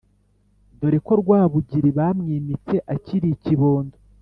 dore ko rwabugili bamwimitse akiri ikibondo